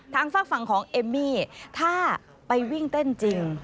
ฝากฝั่งของเอมมี่ถ้าไปวิ่งเต้นจริง